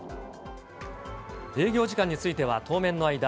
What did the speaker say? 営業時間については当面の間、